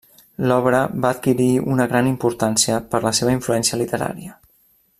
L'obra va adquirir una gran importància per la seva influència literària.